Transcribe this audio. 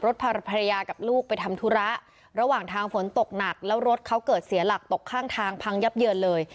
ภรรยากับลูกไปทำธุระระหว่างทางฝนตกหนักแล้วรถเขาเกิดเสียหลักตกข้างทางพังยับเยินเลย